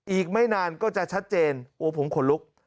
อีกไม่นานก็จะชัดเจนโอ้ผมขนลุก